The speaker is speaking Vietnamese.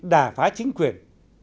đà phá chính quyền